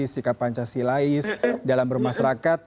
sikap pancasilais dalam bermasyarakat